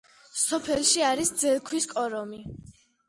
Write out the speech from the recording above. სოფელში არის ძელქვის კორომი.